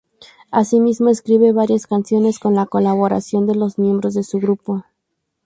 Asimismo, escribe varias canciones con la colaboración de los miembros de su grupo.